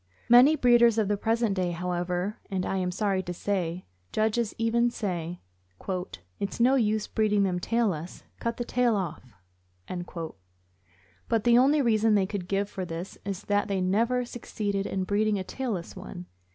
Many breeders of the present day, however, and, I am sorry to say, judges even, say :" It's no use breeding them tailless. Cut the tail off." But the only reason they could give for this is that they never succeeded in breeding a tailless one.